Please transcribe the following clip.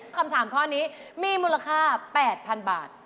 คำถามข้อนี้มีมูลค่า๘๐๐๐บาท